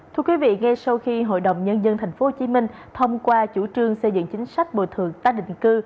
thưa quý vị ngay sau khi hội đồng nhân dân tp hcm thông qua chủ trương xây dựng chính sách bồi thường tái định cư